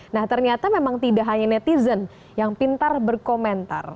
nah ternyata memang tidak hanya netizen yang pintar berkomentar